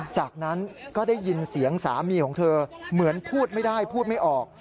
จากนั้นก็ได้ยินเสียงสามีของเธอเหมือนพูดไม่ได้พูดไม่ออก